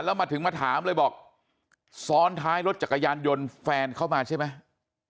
แล้วมาถึงมาถามเลยบอกซ้อนท้ายรถจักรยานยนต์แฟนเข้ามาใช่ไหม